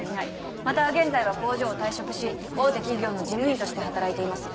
また現在は工場を退職し大手企業の事務員として働いています。